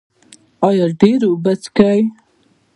ایا ډیرې اوبه څښئ؟